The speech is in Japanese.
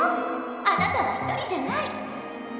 あなたはひとりじゃない！